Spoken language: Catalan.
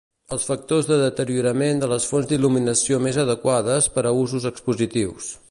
Els factors de deteriorament de les fonts d'il·luminació més adequades per a usos expositius.